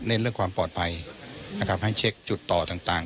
เน้นเรื่องความปลอดภัยให้เช็คจุดต่อต่าง